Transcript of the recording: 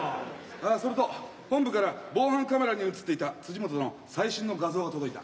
ああそれと本部から防犯カメラに映っていた辻本の最新の画像が届いた。